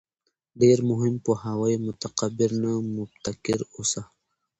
ډېر مهم پوهاوی: متکبِّر نه، مُبتَکِر اوسه